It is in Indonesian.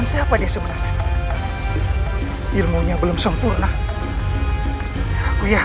sampai jumpa di video selanjutnya